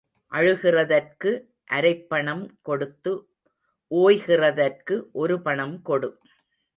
அழுகிறதற்கு அரைப்பணம் கொடுத்து ஓய்கிறதற்கு ஒரு பணம் கொடு.